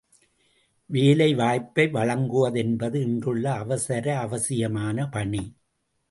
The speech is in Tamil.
வேலை வாய்ப்பை வழங்குவது என்பது இன்றுள்ள அவசர அவசியமான பணி!